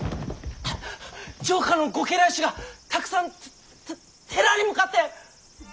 城下のご家来衆がたくさんてて寺に向かって！